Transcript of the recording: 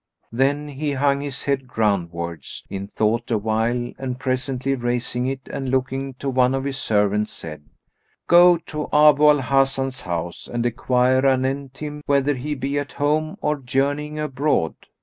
Then he hung his head ground wards in thought awhile and presently raising it and looking to one of his servants, said, "Go to Abu al Hasan's house and enquire anent him whether he be at home or journeying abroad.